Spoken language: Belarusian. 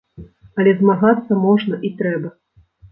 Але змагацца можна і трэба.